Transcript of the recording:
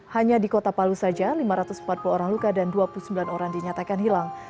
hanya di kota palu saja lima ratus empat puluh orang luka dan dua puluh sembilan orang dinyatakan hilang